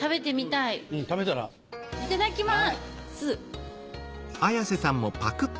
いただきます。